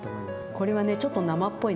これはねちょっと生っぽいのだから。